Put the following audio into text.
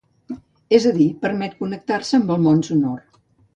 És a dir, permet connectar-se amb el món sonor.